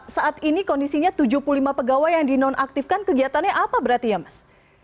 saat ini kondisinya tujuh puluh lima pegawai yang dinonaktifkan kegiatannya apa berarti ya mas